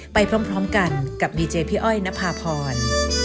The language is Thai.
ไปพร้อมพร้อมกันกับพีเจพี่อ้อยณพาภร